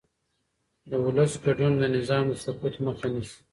د ولس ګډون د نظام د سقوط مخه نیسي